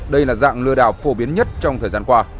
đây là dạng lừa đảo phổ biến nhất trong thời gian qua